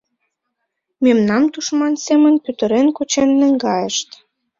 Мемнам тушман семын пӱтырен кучен наҥгайышт.